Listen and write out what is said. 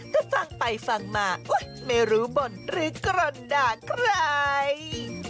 แต่ฟังไปฟังมาไม่รู้บ่นหรือกรนด่าใคร